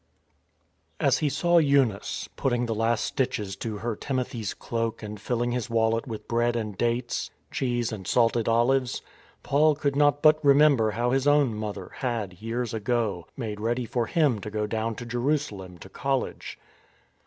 4 S he saw Eunice putting the last stitches to her r\ Timothy's cloak and filling his wallet with bread and dates, cheese and salted olives, Paul could not but remember how his own mother had, years ago, made ready for him to go down to Jerusa lem to college.